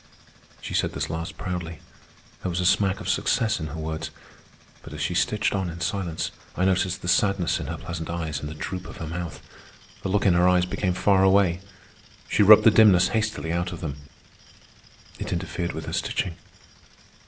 She said this last proudly. There was a smack of success in her words. But as she stitched on in silence, I noticed the sadness in her pleasant eyes and the droop of her mouth. The look in her eyes became far away. She rubbed the dimness hastily out of them; it interfered with her stitching.